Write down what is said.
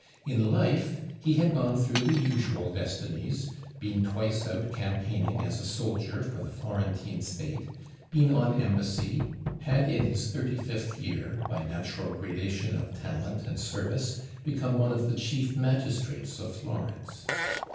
In life, he had gone through the usual destinies: been twice out campaigning as a soldier for the Florentine State; been on embassy; had in his thirty fifth year, by natural gradation of talent and service, become one of the Chief Magistrates of Florence.